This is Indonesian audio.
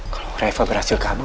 kalau reva berhasil kabur